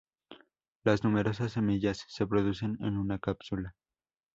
Las numerosas semillas se producen en una cápsula.